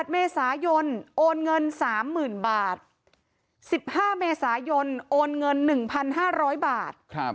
๘เมษายนโอนเงิน๓๐๐๐บาท๑๕เมษายนโอนเงิน๑๕๐๐บาท